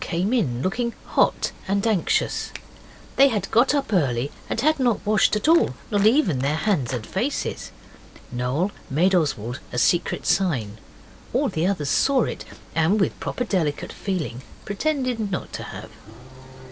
came in, looking hot and anxious. They had got up early and had not washed at all not even their hands and faces. Noel made Oswald a secret signal. All the others saw it, and with proper delicate feeling pretended not to have.